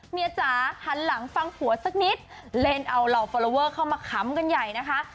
จ๋าหันหลังฟังผัวสักนิดเล่นเอาเหล่าฟอลลอเวอร์เข้ามาขำกันใหญ่นะคะ